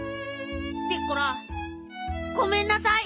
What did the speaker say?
ピッコラごめんなさい。